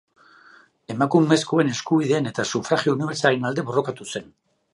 Emakumezkoen eskubideen eta sufragio unibertsalaren alde borrokatu zen.